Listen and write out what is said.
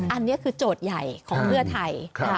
อันนี้คือโจทย์ใหญ่ของเพื่อไทย